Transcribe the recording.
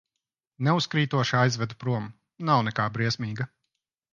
Neuzkrītoši aizvedu prom, nav nekā briesmīga.